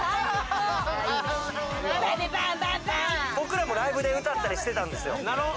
僕らもライブで歌ったりしてたんですよ。